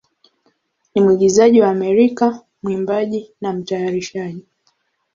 ni mwigizaji wa Amerika, mwimbaji, na mtayarishaji.